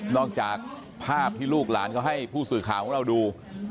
จากภาพที่ลูกหลานเขาให้ผู้สื่อข่าวของเราดู